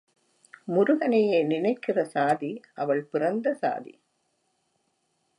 முருகனையே நினைக்கிற சாதி அவள் பிறந்த சாதி.